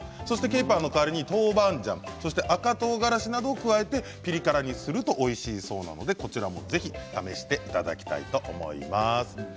ケイパーの代わりに豆板醤赤とうがらしなどを加えてピリ辛にするとおいしいそうなのでこちらもぜひ試していただきたいと思います。